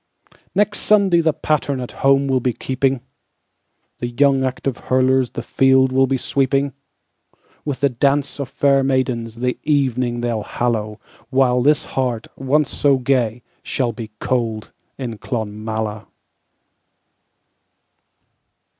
Next Sunday the patternAt home will be keeping, And the young active hurlersThe field will be sweeping; With the dance of fair maidensThe evening they'll hallow, While this heart, once so gay, Shall be cold in Clonmala.